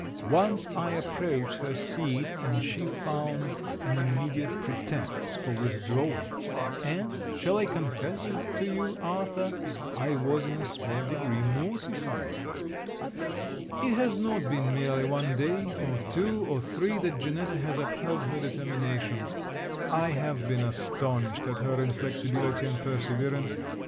Once I approached her seat, and she found an immediate pretence for withdrawing; and, shall I confess it to you, Arthur, I was in a small degree mortified. It has not been merely one day, or two, or three, that Janetta has upheld her determination. I have been astonished at her inflexibility and perseverance.